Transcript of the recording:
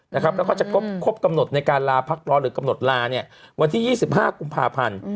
แล้วก็จะครบกำหนดในการลาพักร้อนหรือกำหนดลาวันที่๒๕กุมภาพันธ์